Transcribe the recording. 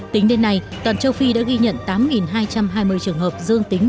tính đến nay toàn châu phi đã ghi nhận tám hai trăm hai mươi trường hợp dương tính